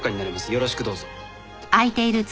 よろしくどうぞ。